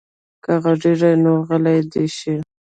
که غږېږي نو غلی دې شي.